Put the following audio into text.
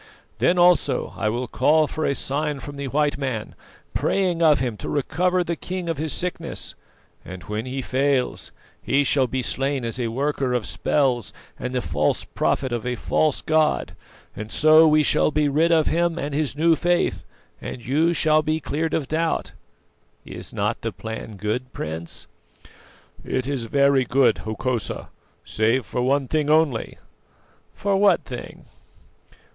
Then also I will call for a sign from the white man, praying of him to recover the king of his sickness; and when he fails, he shall be slain as a worker of spells and the false prophet of a false god, and so we shall be rid of him and his new faith, and you shall be cleared of doubt. Is not the plan good, Prince?" "It is very good, Hokosa save for one thing only." "For what thing?"